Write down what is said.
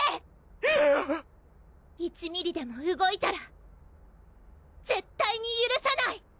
１ミリでも動いたら絶対にゆるさない！